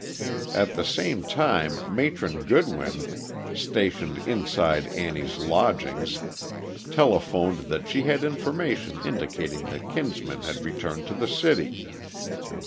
At the same time Matron Goodwin, stationed inside Annie's lodgings, telephoned that she had information indicating that Kinsman had returned to the city.